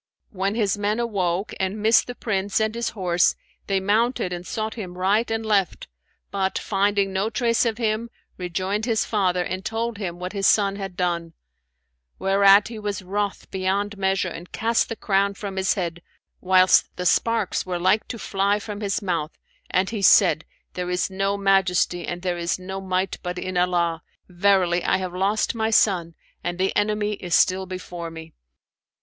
When his men awoke and missed the Prince and his horse, they mounted and sought him right and left but, finding no trace of him, rejoined his father and told him what his son had done; whereat he was wroth beyond measure and cast the crown from his head, whilst the sparks were like to fly from his mouth, and he said 'There is no Majesty and there is no Might but in Allah! Verily I have lost my son, and the enemy is still before me.'